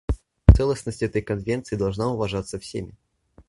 Целостность этой Конвенции должна уважаться всеми.